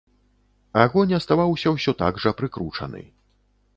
Агонь аставаўся ўсё так жа прыкручаны.